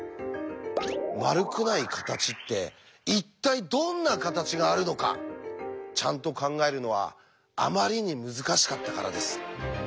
丸くない形って一体どんな形があるのかちゃんと考えるのはあまりに難しかったからです。